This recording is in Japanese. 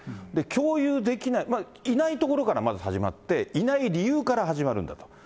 共有できない、いないところからまず始まって、いない理由から始まるんだと。